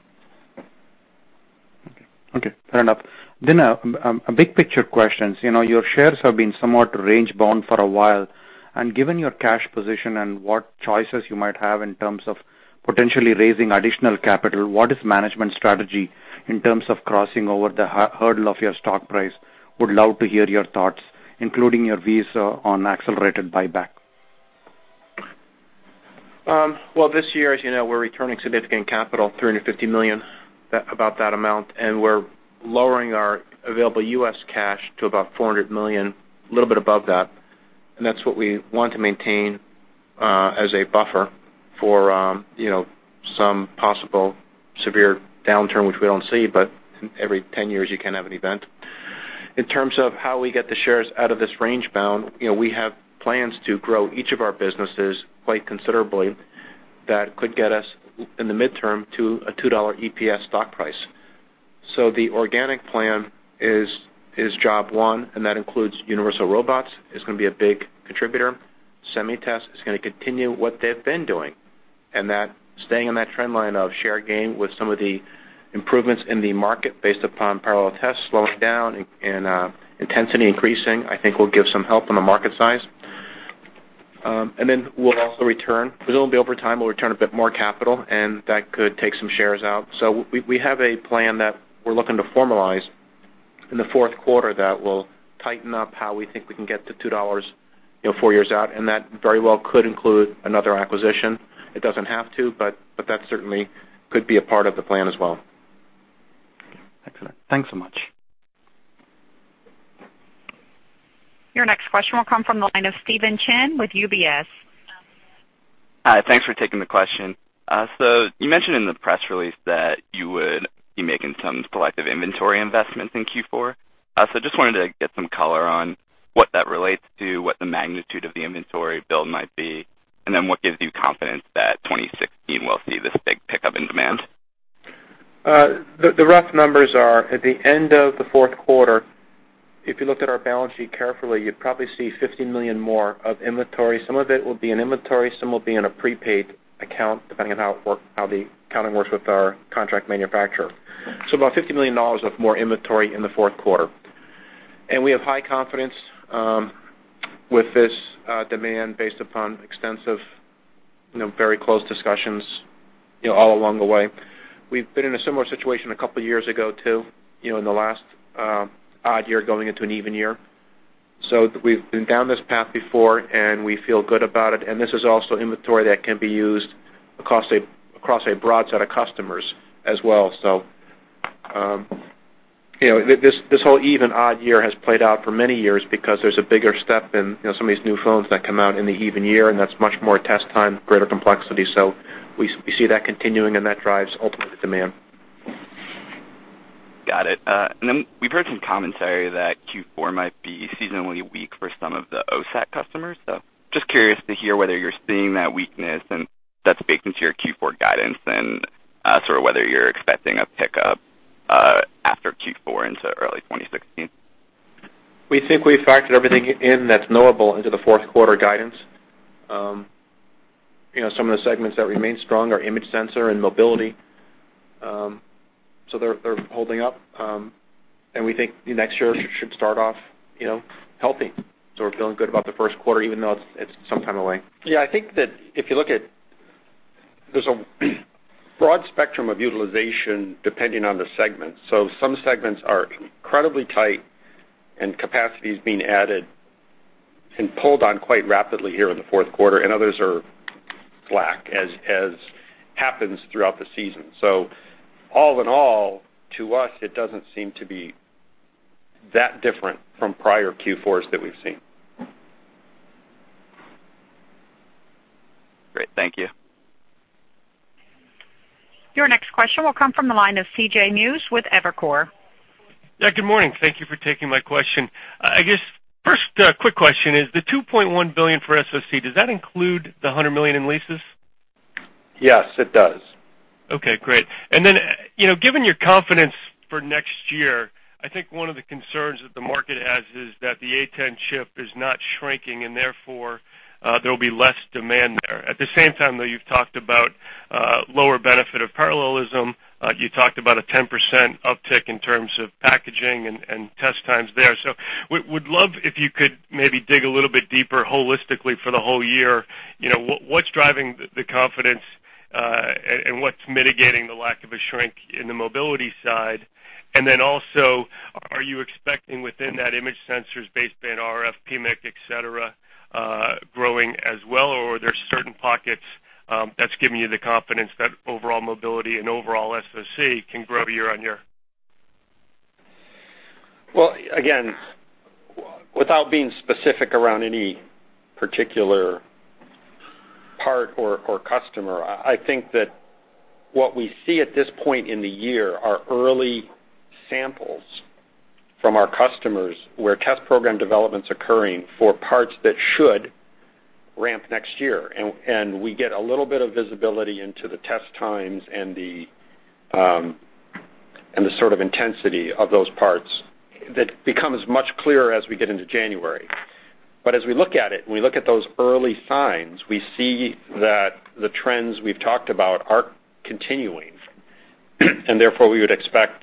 Speaker 8: Okay. Fair enough. A big picture question. Your shares have been somewhat range-bound for a while, and given your cash position and what choices you might have in terms of potentially raising additional capital, what is management strategy in terms of crossing over the hurdle of your stock price? Would love to hear your thoughts, including your views on accelerated buyback.
Speaker 4: This year, as you know, we're returning significant capital, $350 million, about that amount, and we're lowering our available U.S. cash to about $400 million, a little bit above that. That's what we want to maintain as a buffer for some possible severe downturn, which we don't see, but every 10 years, you can have an event. In terms of how we get the shares out of this range bound, we have plans to grow each of our businesses quite considerably that could get us in the midterm to a $2 EPS stock price. The organic plan is job one, and that includes Universal Robots is going to be a big contributor. Semi Test is going to continue what they've been doing, that staying in that trend line of share gain with some of the improvements in the market based upon parallel test slowing down and intensity increasing, I think will give some help on the market size. Then we'll also return, it'll be over time, we'll return a bit more capital, and that could take some shares out. We have a plan that we're looking to formalize in the fourth quarter that will tighten up how we think we can get to $2 four years out, and that very well could include another acquisition. It doesn't have to, but that certainly could be a part of the plan as well.
Speaker 8: Excellent. Thanks so much.
Speaker 1: Your next question will come from the line of Stephen Chin with UBS.
Speaker 9: Hi. Thanks for taking the question. You mentioned in the press release that you would be making some collective inventory investments in Q4. Just wanted to get some color on what that relates to, what the magnitude of the inventory build might be, and then what gives you confidence that 2016 will see this big pickup in demand?
Speaker 4: The rough numbers are at the end of the fourth quarter, if you looked at our balance sheet carefully, you'd probably see $50 million more of inventory. Some of it will be in inventory, some will be in a prepaid account, depending on how the accounting works with our contract manufacturer. About $50 million of more inventory in the fourth quarter. We have high confidence with this demand based upon extensive, very close discussions all along the way. We've been in a similar situation a couple of years ago, too, in the last odd year going into an even year. We've been down this path before, and we feel good about it, and this is also inventory that can be used across a broad set of customers as well. This whole even-odd year has played out for many years because there's a bigger step in some of these new phones that come out in the even year, and that's much more test time, greater complexity. We see that continuing, and that drives ultimate demand.
Speaker 9: Got it. We've heard some commentary that Q4 might be seasonally weak for some of the OSAT customers. Just curious to hear whether you're seeing that weakness and that's baked into your Q4 guidance and sort of whether you're expecting a pickup after Q4 into early 2016.
Speaker 4: We think we factored everything in that's knowable into the fourth quarter guidance. Some of the segments that remain strong are image sensor and mobility. They're holding up. We think next year should start off healthy. We're feeling good about the first quarter, even though it's some time away. Yeah, I think that if you look at. There's a broad spectrum of utilization depending on the segment. Some segments are incredibly tight and capacity is being added and pulled on quite rapidly here in the fourth quarter, and others are slack, as happens throughout the season. All in all, to us, it doesn't seem to be that different from prior Q4s that we've seen.
Speaker 9: Great. Thank you.
Speaker 1: Your next question will come from the line of CJ Muse with Evercore.
Speaker 10: Yeah, good morning. Thank you for taking my question. I guess first quick question is the $2.1 billion for SoC, does that include the $100 million in leases?
Speaker 4: Yes, it does.
Speaker 10: Okay, great. Given your confidence for next year, I think one of the concerns that the market has is that the 810 chip is not shrinking and therefore there will be less demand there. At the same time, though, you've talked about lower benefit of parallelism, you talked about a 10% uptick in terms of packaging and test times there. Would love if you could maybe dig a little bit deeper holistically for the whole year. What's driving the confidence. What's mitigating the lack of a shrink in the mobility side? Also, are you expecting within that image sensors, baseband, RF, PMIC, et cetera, growing as well? Or are there certain pockets that's giving you the confidence that overall mobility and overall SoC can grow year-on-year?
Speaker 3: Well, again, without being specific around any particular part or customer, I think that what we see at this point in the year are early samples from our customers where test program development's occurring for parts that should ramp next year. We get a little bit of visibility into the test times and the intensity of those parts that becomes much clearer as we get into January. As we look at it, and we look at those early signs, we see that the trends we've talked about are continuing, and therefore we would expect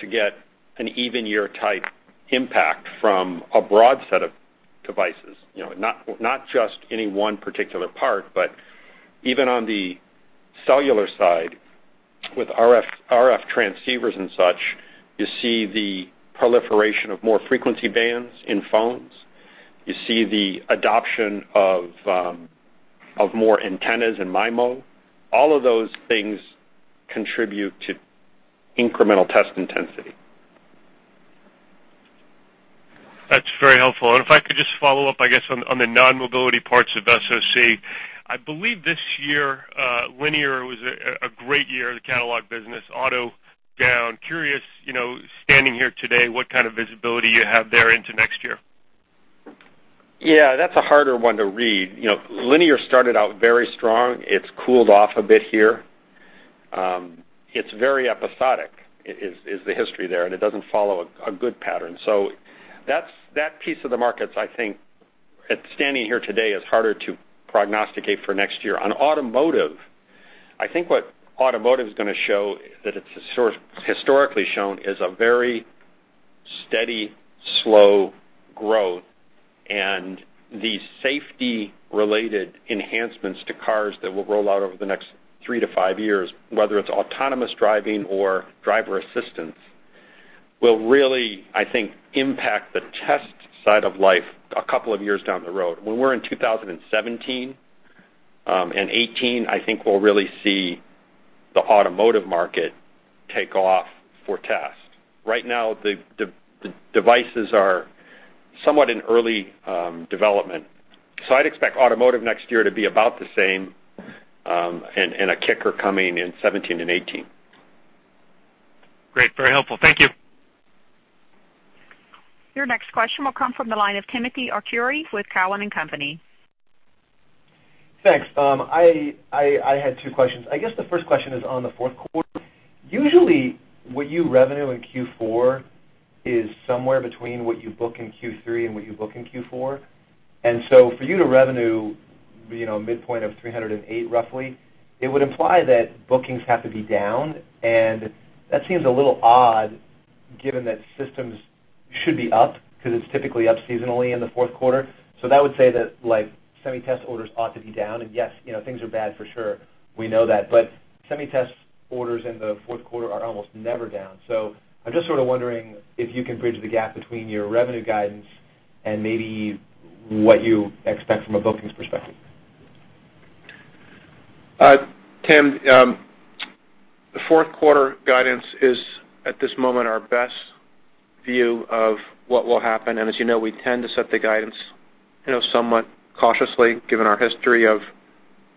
Speaker 3: to get an even year-type impact from a broad set of devices. Not just any one particular part, but even on the cellular side with RF transceivers and such, you see the proliferation of more frequency bands in phones. You see the adoption of more antennas in MIMO. All of those things contribute to incremental test intensity.
Speaker 10: That's very helpful. If I could just follow up, I guess, on the non-mobility parts of SoC. I believe this year, linear was a great year, the catalog business, auto down. Curious, standing here today, what kind of visibility you have there into next year?
Speaker 3: Yeah, that's a harder one to read. Linear started out very strong. It's cooled off a bit here. It's very episodic, is the history there, and it doesn't follow a good pattern. That piece of the markets, I think, standing here today, is harder to prognosticate for next year. On automotive, I think what automotive is going to show, that it's historically shown, is a very steady, slow growth and the safety-related enhancements to cars that will roll out over the next three to five years, whether it's autonomous driving or driver assistance, will really, I think, impact the test side of life a couple of years down the road. When we're in 2017 and 2018, I think we'll really see the automotive market take off for test. Right now, the devices are somewhat in early development. I'd expect automotive next year to be about the same, and a kicker coming in 2017 and 2018.
Speaker 10: Great. Very helpful. Thank you.
Speaker 1: Your next question will come from the line of Timothy Arcuri with Cowen and Company.
Speaker 11: Thanks. I had two questions. I guess the first question is on the fourth quarter. Usually, what your revenue in Q4 is somewhere between what you book in Q3 and what you book in Q4. For your revenue midpoint of 308, roughly, it would imply that bookings have to be down, and that seems a little odd given that systems should be up because it's typically up seasonally in the fourth quarter. That would say that SemiTest orders ought to be down. Yes, things are bad for sure. We know that. SemiTest orders in the fourth quarter are almost never down. I'm just wondering if you can bridge the gap between your revenue guidance and maybe what you expect from a bookings perspective.
Speaker 3: Tim, the fourth quarter guidance is, at this moment, our best view of what will happen. As you know, we tend to set the guidance somewhat cautiously given our history of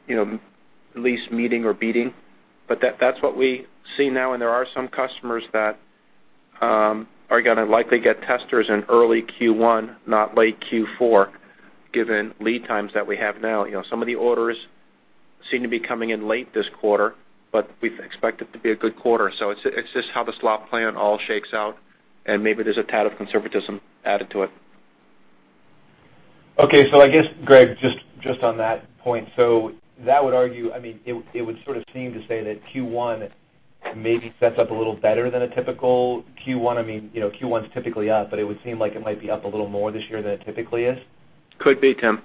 Speaker 3: at least meeting or beating. That's what we see now, and there are some customers that are going to likely get testers in early Q1, not late Q4, given lead times that we have now. Some of the orders seem to be coming in late this quarter, but we expect it to be a good quarter. It's just how the slot plan all shakes out, and maybe there's a tad of conservatism added to it.
Speaker 11: Okay. I guess, Greg, just on that point, so that would argue, it would seem to say that Q1 maybe sets up a little better than a typical Q1. Q1's typically up, but it would seem like it might be up a little more this year than it typically is?
Speaker 4: Could be, Tim.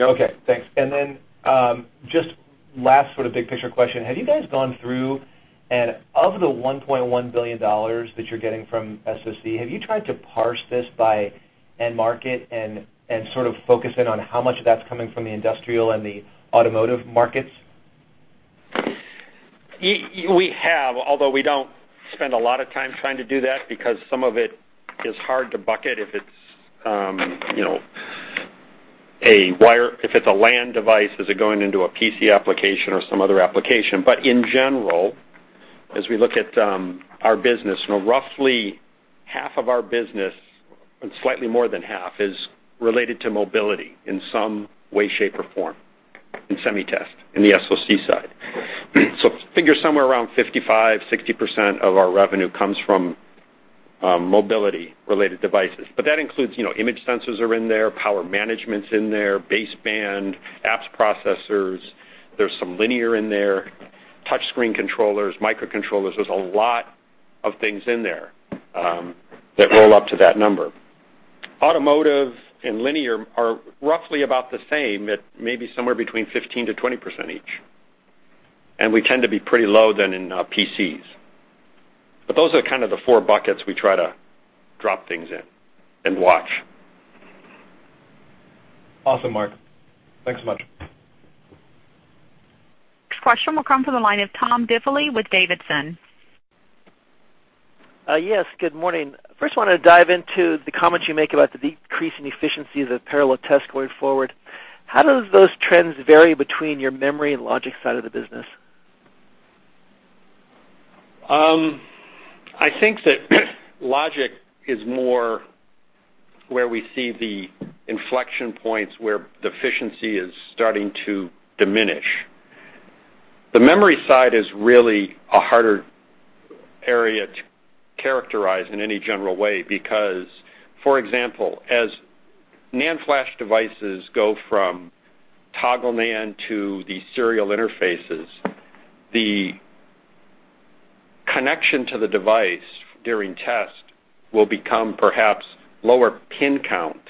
Speaker 11: Okay, thanks. then, just last big-picture question. Have you guys gone through and of the $1.1 billion that you're getting from SoC, have you tried to parse this by end market and focus in on how much of that's coming from the industrial and the automotive markets?
Speaker 3: We have, although we don't spend a lot of time trying to do that because some of it is hard to bucket if it's a wire, if it's a LAN device, is it going into a PC application or some other application? But in general, as we look at our business, roughly half of our business, and slightly more than half, is related to mobility in some way, shape, or form in SemiTest, in the SoC side. figure somewhere around 55%, 60% of our revenue comes from mobility-related devices. But that includes image sensors are in there, power management's in there, baseband, apps processors, there's some linear in there, touch screen controllers, microcontrollers. There's a lot of things in there that roll up to that number. Automotive and linear are roughly about the same at maybe somewhere between 15%-20% each. we tend to be pretty low than in PCs. those are kind of the four buckets we try to drop things in and watch.
Speaker 11: Awesome, Mark. Thanks so much.
Speaker 1: Next question will come from the line of Tom Diffely with Davidson.
Speaker 12: Yes, good morning. First, I want to dive into the comments you make about the decreasing efficiency of the parallel test going forward. How do those trends vary between your memory and logic side of the business?
Speaker 3: I think that logic is more where we see the inflection points, where efficiency is starting to diminish. The memory side is really a harder area to characterize in any general way because, for example, as NAND flash devices go from toggle NAND to the serial interfaces, the connection to the device during test will become perhaps lower pin count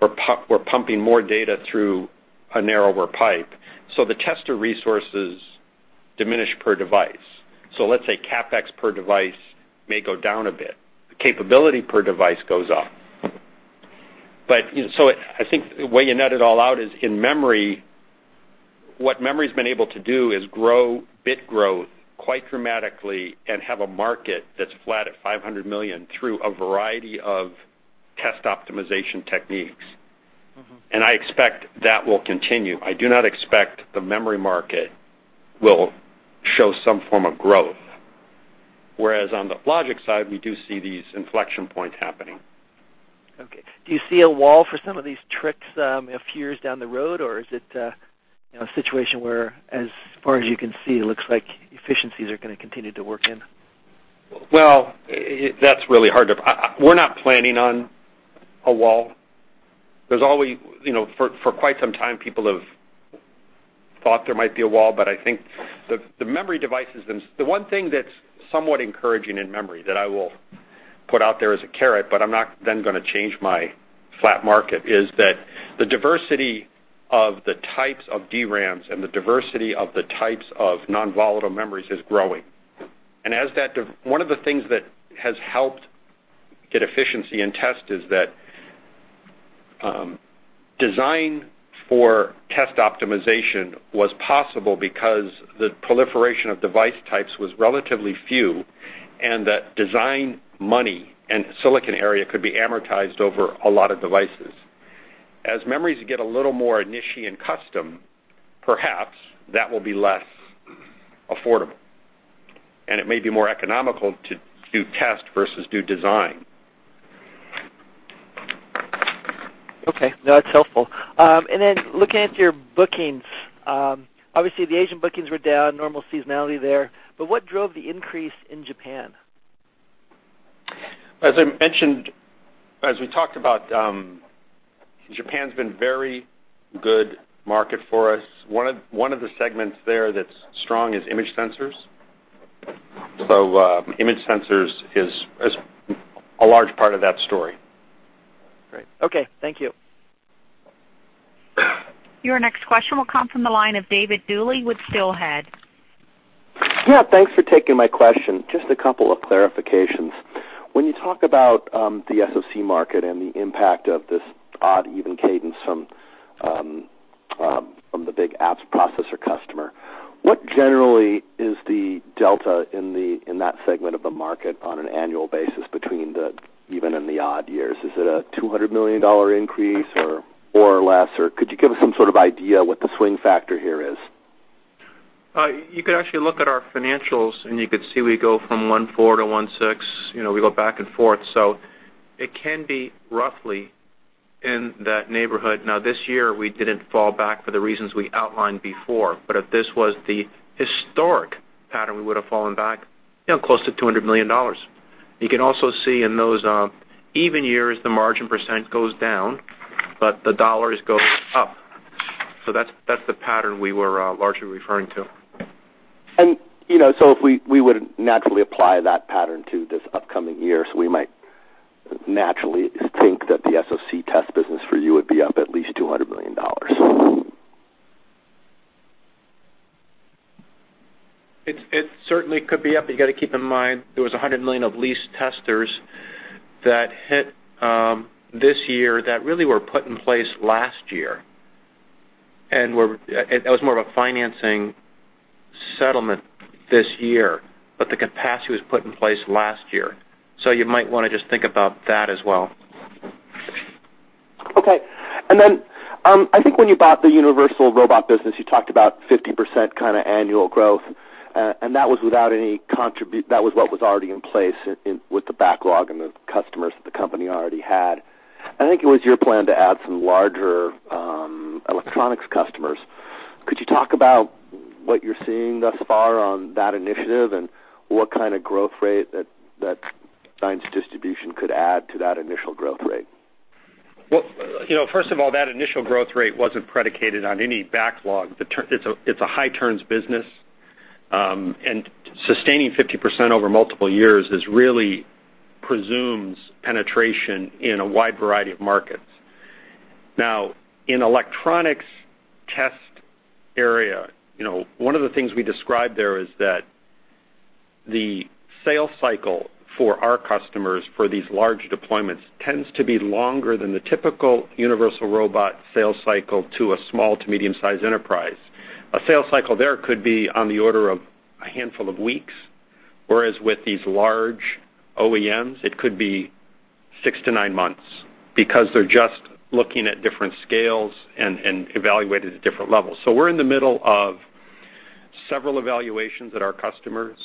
Speaker 3: or pumping more data through a narrower pipe. The tester resources diminish per device. Let's say CapEx per device may go down a bit. The capability per device goes up. I think the way you net it all out is, in memory, what memory's been able to do is grow bit growth quite dramatically and have a market that's flat at 500 million through a variety of test optimization techniques. I expect that will continue. I do not expect the memory market will show some form of growth, whereas on the logic side, we do see these inflection points happening.
Speaker 12: Okay. Do you see a wall for some of these tricks a few years down the road? is it a situation where, as far as you can see, it looks like efficiencies are going to continue to work in?
Speaker 3: Well, that's really hard. We're not planning on a wall. For quite some time, people have thought there might be a wall, but I think the memory device has been. The one thing that's somewhat encouraging in memory that I will put out there as a carrot, but I'm not then going to change my flat market, is that the diversity of the types of DRAMs and the diversity of the types of non-volatile memories is growing. One of the things that has helped get efficiency in test is that design for test optimization was possible because the proliferation of device types was relatively few, and that design money and silicon area could be amortized over a lot of devices. As memories get a little more niche and custom, perhaps that will be less affordable, and it may be more economical to do test versus do design.
Speaker 12: Okay. No, that's helpful. Then looking at your bookings, obviously the Asian bookings were down, normal seasonality there, but what drove the increase in Japan?
Speaker 3: As we talked about, Japan's been very good market for us. One of the segments there that's strong is image sensors. Image sensors is a large part of that story.
Speaker 12: Great. Okay. Thank you.
Speaker 1: Your next question will come from the line of David Duley with Steelhead.
Speaker 13: Yeah. Thanks for taking my question. Just a couple of clarifications. When you talk about the SoC market and the impact of this odd even cadence from the big apps processor customer, what generally is the delta in that segment of the market on an annual basis between the even and the odd years? Is it a $200 million increase or less? Could you give us some sort of idea what the swing factor here is?
Speaker 3: You could actually look at our financials, and you could see we go from 1.4 to 1.6. We go back and forth. it can be roughly in that neighborhood. Now, this year, we didn't fall back for the reasons we outlined before, but if this was the historic pattern, we would've fallen back close to $200 million. You can also see in those even years, the margin percent goes down, but the dollars go up. that's the pattern we were largely referring to.
Speaker 13: If we would naturally apply that pattern to this upcoming year, so we might naturally think that the SoC test business for you would be up at least $200 million.
Speaker 3: It certainly could be up. You got to keep in mind there was $100 million of leased testers that hit this year that really were put in place last year, and that was more of a financing settlement this year, but the capacity was put in place last year. You might want to just think about that as well.
Speaker 13: Okay. I think when you bought the Universal Robots business, you talked about 50% kind of annual growth, and that was what was already in place with the backlog and the customers that the company already had. I think it was your plan to add some larger electronics customers. Could you talk about what you're seeing thus far on that initiative and what kind of growth rate that science distribution could add to that initial growth rate?
Speaker 3: Well, first of all, that initial growth rate wasn't predicated on any backlog. It's a high turns business. Sustaining 50% over multiple years really presumes penetration in a wide variety of markets. Now, in electronics test area, one of the things we describe there is that the sales cycle for our customers for these large deployments tends to be longer than the typical Universal Robots sales cycle to a small to medium size enterprise. A sales cycle there could be on the order of a handful of weeks, whereas with these large OEMs, it could be six to nine months, because they're just looking at different scales and evaluated at different levels. We're in the middle of several evaluations at our customers.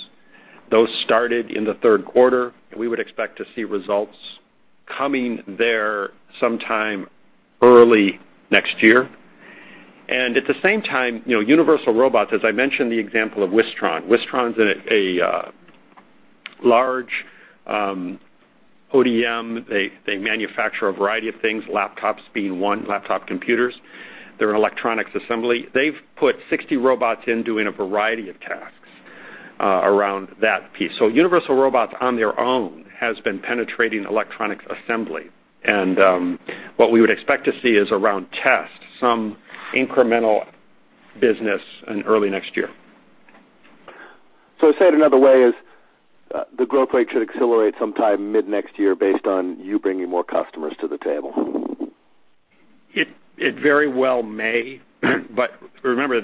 Speaker 3: Those started in the third quarter, and we would expect to see results coming there sometime early next year. At the same time, Universal Robots, as I mentioned, the example of Wistron. Wistron's a large ODM. They manufacture a variety of things, laptops being one, laptop computers. They're in electronics assembly. They've put 60 robots in doing a variety of tasks around that piece. Universal Robots, on their own, has been penetrating electronics assembly. What we would expect to see is around tests, some incremental business in early next year.
Speaker 13: Said another way, is the growth rate should accelerate sometime mid-next year based on you bringing more customers to the table.
Speaker 3: It very well may. But remember,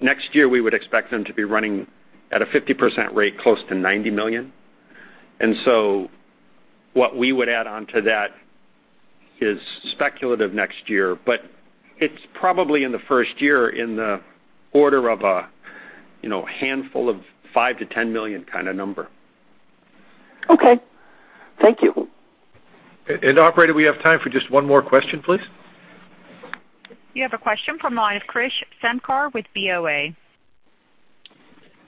Speaker 3: next year, we would expect them to be running at a 50% rate, close to 90 million. What we would add on to that is speculative next year, but it's probably in the first year in the order of a handful of five to 10 million kind of number.
Speaker 13: Okay. Thank you.
Speaker 3: Operator, we have time for just one more question, please.
Speaker 1: You have a question from Krish Sankar with BofA.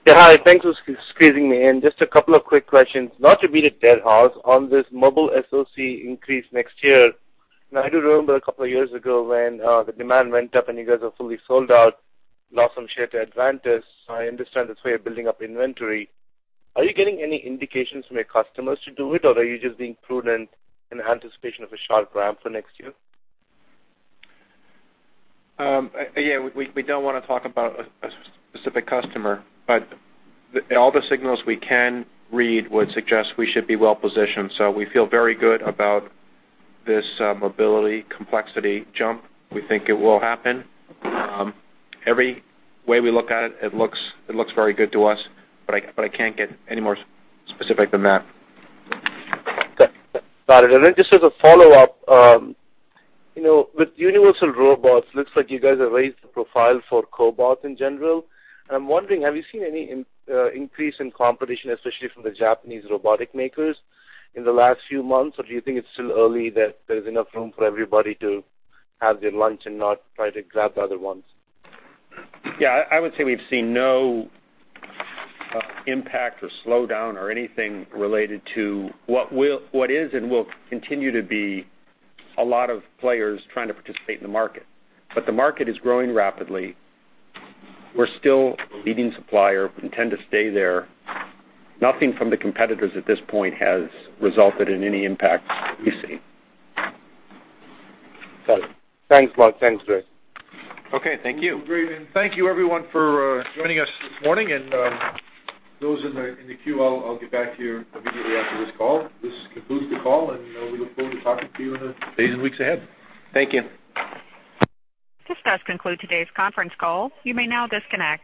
Speaker 14: Yeah, hi. Thanks for squeezing me in. Just a couple of quick questions, not to beat a dead horse on this mobile SoC increase next year. Now, I do remember a couple of years ago when the demand went up and you guys were fully sold out, lost some share to Advantest. I understand that's why you're building up inventory. Are you getting any indications from your customers to do it, or are you just being prudent in anticipation of a sharp ramp for next year?
Speaker 3: Yeah, we don't want to talk about a specific customer, but all the signals we can read would suggest we should be well-positioned. We feel very good about this mobility complexity jump. We think it will happen. Every way we look at it, looks very good to us, but I can't get any more specific than that.
Speaker 14: Got it. then just as a follow-up, with Universal Robots, looks like you guys have raised the profile for cobots in general, and I'm wondering, have you seen any increase in competition, especially from the Japanese robotic makers in the last few months? do you think it's still early that there's enough room for everybody to have their lunch and not try to grab the other ones?
Speaker 3: Yeah, I would say we've seen no impact or slowdown or anything related to what is and will continue to be a lot of players trying to participate in the market. the market is growing rapidly. We're still a leading supplier, intend to stay there. Nothing from the competitors at this point has resulted in any impacts that we see.
Speaker 14: Got it. Thanks Mark. Thanks, Greg.
Speaker 3: Okay, thank you.
Speaker 2: Great. Thank you everyone for joining us this morning, and those in the queue, I'll get back to you immediately after this call. This concludes the call, and we look forward to talking to you in the days and weeks ahead.
Speaker 3: Thank you.
Speaker 1: This does conclude today's conference call. You may now disconnect.